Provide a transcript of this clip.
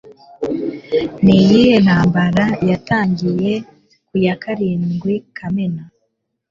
Ni iyihe ntambara yatangiye ku ya karindwi Kamena ?